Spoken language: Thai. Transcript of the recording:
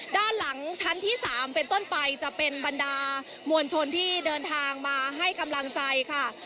ด้านหลังชั้นที่๓เป็นต้นไปจะเป็นบรรดามวลชนที่เดินทางมาให้กำลังใจค่ะ